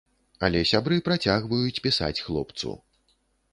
Але сябры працягваюць пісаць хлопцу.